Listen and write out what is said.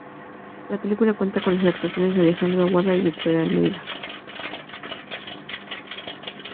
La película cuenta con las actuaciones de Alejandro Awada y Victoria Almeida.